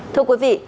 thưa quý vị